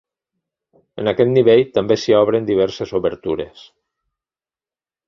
En aquest nivell també s'hi obren diverses obertures.